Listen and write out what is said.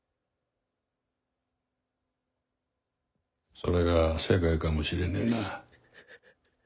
それが世界かもしれねえな。